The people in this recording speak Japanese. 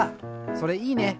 それいいね！